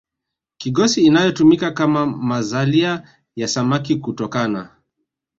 kigosi inayotumika kama mazalia ya samaki kutokana